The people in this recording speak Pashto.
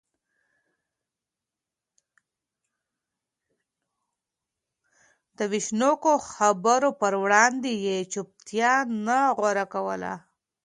د وېشونکو خبرو پر وړاندې يې چوپتيا نه غوره کوله.